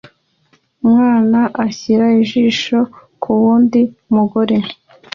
Umwana ushyira ijisho kuwundi mugore